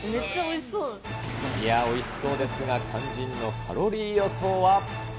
いや、おいしそうですが、肝心のカロリー予想は。